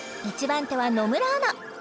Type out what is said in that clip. １番手は野村アナ